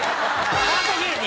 カート芸人？